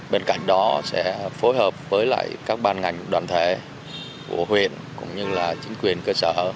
bên cạnh đó sẽ phối hợp với các ban ngành đoàn thể của huyện cũng như là chính quyền cơ sở